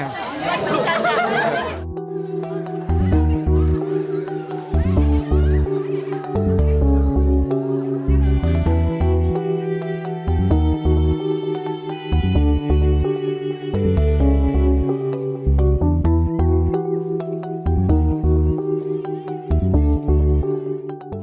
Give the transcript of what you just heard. buat beli jantan